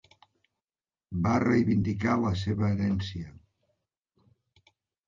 Va reivindicar la seva herència.